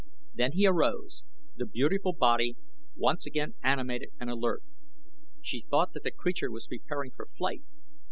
Then he arose, the beautiful body once again animated and alert. She thought that the creature was preparing for flight.